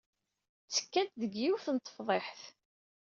Ttekkant deg yiwet n tefḍiḥt.